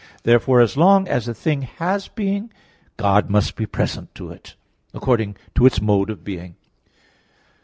Therefore as long as a thing has being, God must be present to it, according to its mode of being.